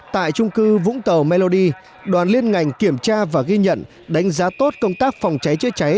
tại trung cư vũng tàu mellody đoàn liên ngành kiểm tra và ghi nhận đánh giá tốt công tác phòng cháy chữa cháy